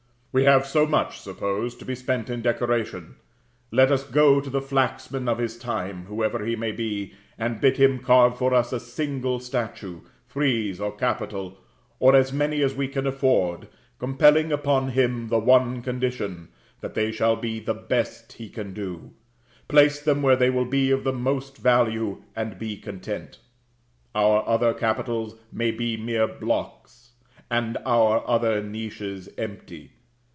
We have so much, suppose, to be spent in decoration; let us go to the Flaxman of his time, whoever he may be, and bid him carve for us a single statue, frieze or capital, or as many as we can afford, compelling upon him the one condition, that they shall be the best he can do; place them where they will be of the most value, and be content. Our other capitals may be mere blocks, and our other niches empty.